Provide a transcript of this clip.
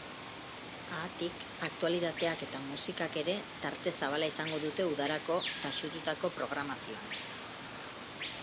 Haatik, aktualitateak eta musikak ere tarte zabala izango dute udarako taxututako programazioan.